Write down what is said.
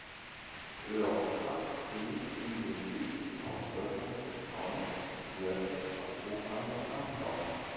Lorsbach liegt in den südlichen Ausläufern des Taunus, nördlich von Hofheim am Taunus.